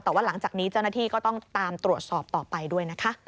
แต่ว่าหลังจากนี้เจ้าหน้าที่ก็ต้องตามตรวจสอบต่อไปด้วยนะคะ